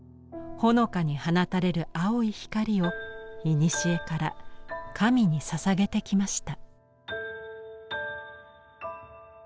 ほのかに放たれる青い光をいにしえから神にささげてきました。